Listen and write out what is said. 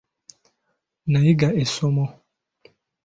Nayiga essomo.